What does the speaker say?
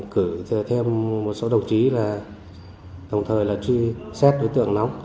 cử thêm một số đồng chí là đồng thời là truy xét đối tượng nóng